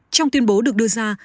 trong tuyên bố được đưa ra